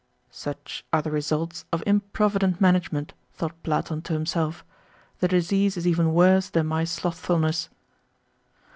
"Such are the results of improvident management!" thought Platon to himself. "The disease is even worse than my slothfulness."